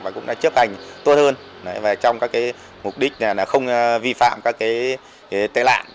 và cũng đã chấp hành tốt hơn trong các mục đích là không vi phạm các cái tệ lạc